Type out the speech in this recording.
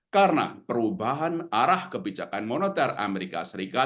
karena perubahan arah kebijakan moneter as